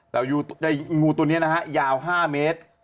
แต่งูตัวนี้นะฮะยาว๕เมตร